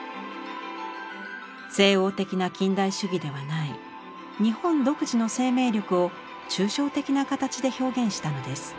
西欧的な近代主義ではない日本独自の生命力を抽象的な形で表現したのです。